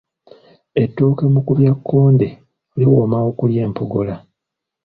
Ettooke mukubyakkonde liwooma okulya empogola